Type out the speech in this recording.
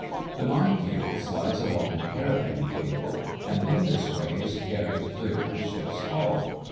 The mine cable slides along the paravane cable and in this way is carried clear of the ship's hull.